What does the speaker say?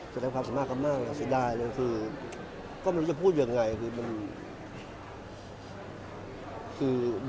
แสดงว่าถ้ากินรู้จักคืนอนรึนะครับ